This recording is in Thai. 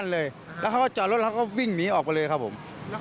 แล้วเขาก็จอดรถแล้วก็วิ่งหนีออกไปเลยครับผม